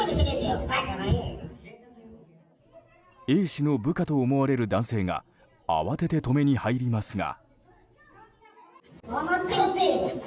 Ａ氏の部下と思われる男性が慌てて止めに入りますが。